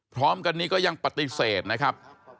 พร้อมกันนี้ก็ยังปฏิเสธนะครับ